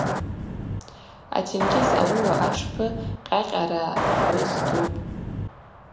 Атенгьыз ауыла атшпы къьакъьара гӏвыздупӏ.